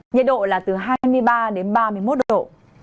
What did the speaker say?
nhiệt độ là từ hai mươi ba đến ba mươi một độ